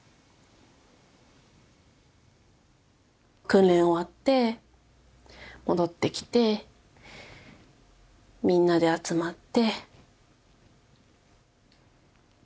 訓練終わって戻ってきてみんなで集まって。